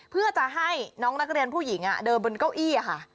เพื่อจะให้น้องนักเรียนผู้หญิงเดินบนเก้าอี้ค่ะ